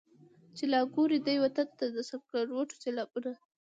چي لا ګوري دې وطن ته د سکروټو سېلابونه.